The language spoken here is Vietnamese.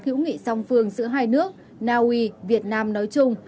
hữu nghị song phương giữa hai nước naui việt nam nói chung